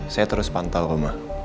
saya terus pantau ma